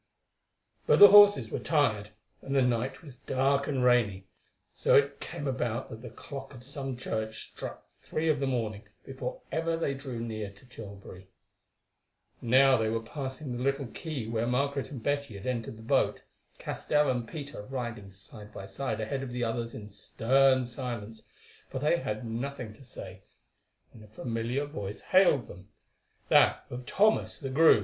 But the horses were tired, and the night was dark and rainy, so it came about that the clock of some church struck three of the morning before ever they drew near to Tilbury. Now they were passing the little quay where Margaret and Betty had entered the boat, Castell and Peter riding side by side ahead of the others in stern silence, for they had nothing to say, when a familiar voice hailed them—that of Thomas the groom.